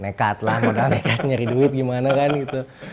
nekat lah modal nyari duit gimana kan gitu